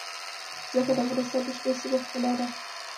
ځمکه د افغانستان د شنو سیمو ښکلا ده.